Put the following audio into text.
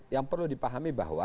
yang perlu dipahami bahwa